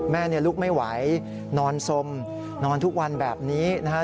ลุกไม่ไหวนอนสมนอนทุกวันแบบนี้นะฮะ